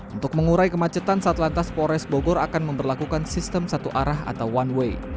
untuk mengurai kemacetan satlantas polres bogor akan memperlakukan sistem satu arah atau one way